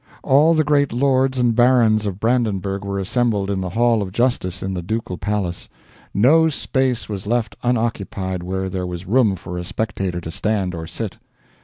All the great lords and barons of Brandenburgh were assembled in the Hall of Justice in the ducal palace. No space was left unoccupied where there was room for a spectator to stand or sit.